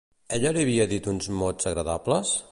Ella li havia dit uns mots agradables?